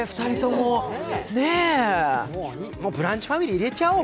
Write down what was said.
もうブランチファミリー入れちゃおう。